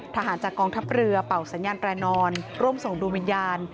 ทหารจากกองทัพเรือเป่าสัญญาณแร่นอนร่วมส่งดวงวิญญาณ